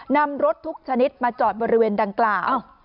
นำรถทุกชนิดมาจอดบริเวณดังกล่าว